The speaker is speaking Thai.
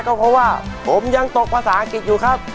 ก็เพราะว่าผมยังตกภาษาอังกฤษอยู่ครับ